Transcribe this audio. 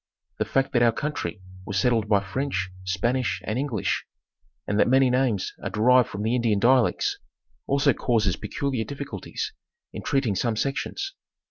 The fact that our country was settled by French, Spanish, and English, and that many names are derived from the Indian dialects, also causes peculiar difficulties in treating some sections.